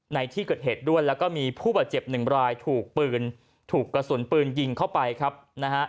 ในที่เกิดเหตุด้วยแล้วก็มีผู้บาดเจ็บหนึ่งรายถูกปืนถูกกระสุนปืนยิงเข้าไปครับนะฮะ